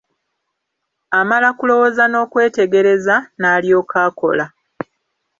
Amala kulowooza n'okwetegereza, n'alyoka akola.